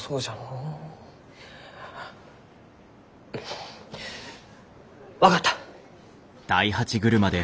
うん。分かった。